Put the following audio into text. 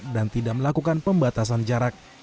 dan tidak melakukan pembatasan jarak